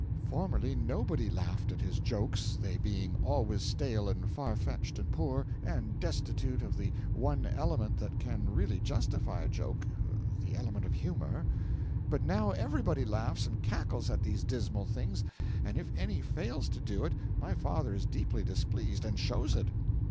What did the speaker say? Formerly nobody laughed at his jokes, they being always stale and far fetched and poor, and destitute of the one element that can really justify a joke the element of humour; but now everybody laughs and cackles at these dismal things, and if any fails to do it my father is deeply displeased, and shows it.